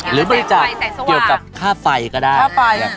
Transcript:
หรือบริจาคเกี่ยวกับค่าไฟก็ได้